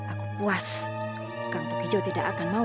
aku puas kang tukijo tidak akan mau